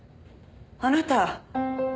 あなた！